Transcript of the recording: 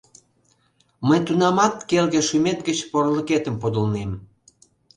Мый тунамат келге шӱмет гыч порылыкетым подылнем.